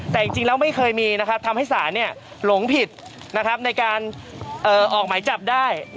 แต่จริงแล้วไม่เคยมีทำให้ศาลหลงผิดในการออกหมายจับได้